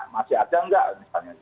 masih ada nggak misalnya